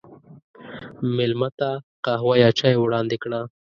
مېلمه ته قهوه یا چای وړاندې کړه.